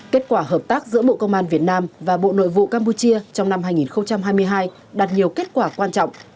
kết quả hợp tác giữa bộ công an việt nam và bộ nội vụ campuchia trong năm hai nghìn hai mươi hai đạt nhiều kết quả quan trọng